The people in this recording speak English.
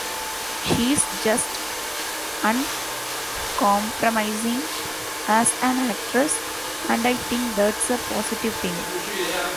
She's just uncompromising as an actress and I think that's a positive thing.